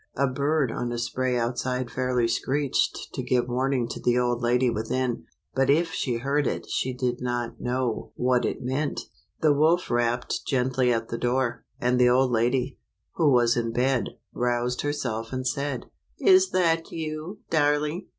A bird on a spray outside fairly screeched to give warning to the old lady within, but if she heard it she did not know what it meant. The wolf rapped gently at the door, and the old lady, who was in bed, roused herself and said, " Is that you, darling?